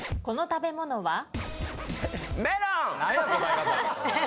この食べ物は？